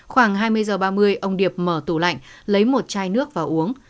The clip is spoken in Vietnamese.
khoảng hai mươi h ba mươi ông điệp mở tủ lạnh lấy một chai nước vào uống